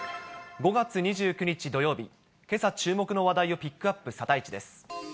５月２９日土曜日、けさ注目の話題をピックアップ、サタイチです。